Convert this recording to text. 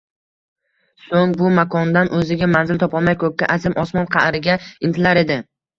soʼng bu makondan oʼziga manzil topolmay koʼkka, azim osmon qaʼriga intilar edi.